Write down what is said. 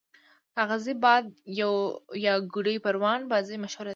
کاغذی باد یا ګوډی پران بازی مشهوره ده.